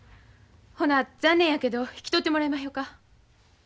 ほな残念やけど引き取ってもらいまひょか。